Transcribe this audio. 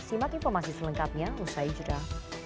simak informasi selengkapnya usai jeda